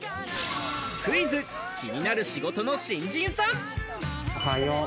クイズ、気になる仕事の新人さん。